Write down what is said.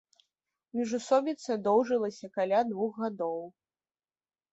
Міжусобіца доўжылася каля двух гадоў.